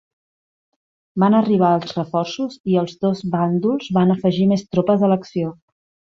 Van arribar els reforços i els dons bàndols van afegir més tropes a l"acció.